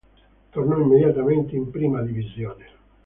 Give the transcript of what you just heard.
Tornò immediatamente in prima divisione.